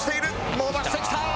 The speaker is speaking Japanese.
伸ばしてきた。